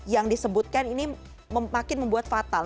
yang disebutkan ini makin membuat fatal